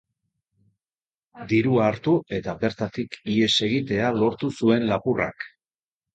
Dirua hartu, eta bertatik ihes egitea lortu zuen lapurrak.